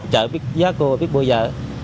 chợ biết giá cô biết mua giờ